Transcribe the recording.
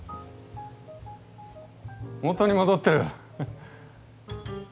元に戻ってる！